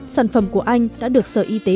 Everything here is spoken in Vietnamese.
sản phẩm của anh đã được sở y tế